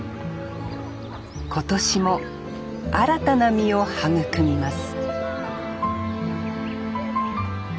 今年も新たな実を育みます